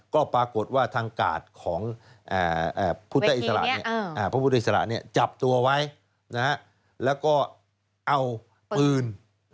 ก็ปรากฏว่าทางกาดของพุทธอิสระพระพุทธอิสระจับตัวไว้แล้วก็เอาปืน